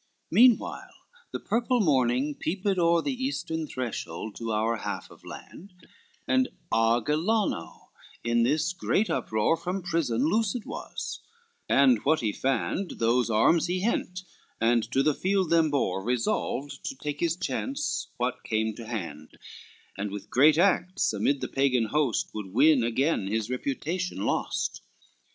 LXXIV Meanwhile the purple morning peeped o'er The eastern threshold to our half of land, And Argillano in this great uproar From prison loosed was, and what he fand, Those arms he hent, and to the field them bore, Resolved to take his chance what came to hand, And with great acts amid the Pagan host Would win again his reputation lost.